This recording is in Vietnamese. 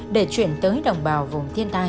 để chuyển tới đồng bào vùng thiên tai